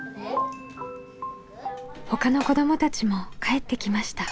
ほかの子どもたちも帰ってきました。